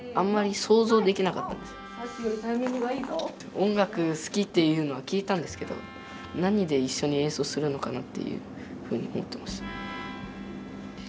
音楽好きっていうのは聞いてたんですけど何で一緒に演奏するのかなっていうふうに思ってました。